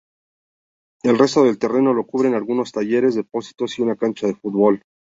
El resto del terreno lo cubren algunos talleres, depósitos y una cancha de fútbol.